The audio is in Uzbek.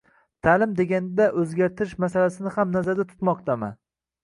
Ta’lim deganda o‘zgartirish masalasini ham nazarda tutmoqdaman.